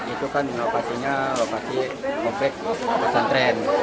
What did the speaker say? itu kan lokasinya lokasi kompleks pasang tren